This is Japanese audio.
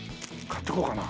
買っていこうかな。